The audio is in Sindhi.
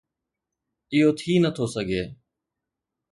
اهو ٿي نٿو سگهي.